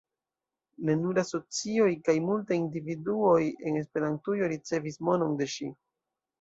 Ne nur asocioj kaj multaj individuoj en Esperantujo ricevis monon de ŝi.